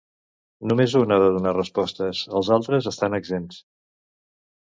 Només un ha de donar respostes, els altres estan exempts.